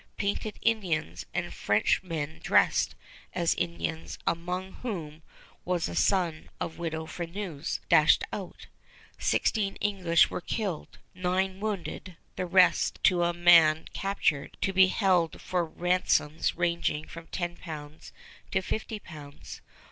Painted Indians, and Frenchmen dressed as Indians, among whom was a son of Widow Freneuse, dashed out. Sixteen English were killed, nine wounded, the rest to a man captured, to be held for ransoms ranging from 10 pounds to 50 pounds.